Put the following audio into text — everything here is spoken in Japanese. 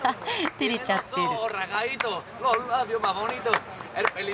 てれちゃってる。